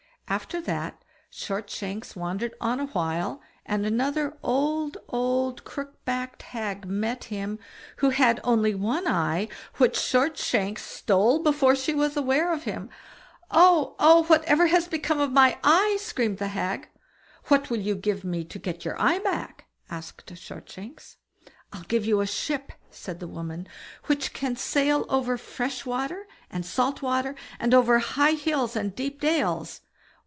After that, Shortshanks wandered on a while, and another old, old crook backed hag met him who had only one eye, which Shortshanks stole before she was aware of him. "Oh, oh! whatever has become of my eye", screamed the hag. "What will you give me to get your eye back?" asked Shortshanks. "I'll give you a ship", said the woman, "which can sail over fresh water and salt water, and over high hills and deep dales."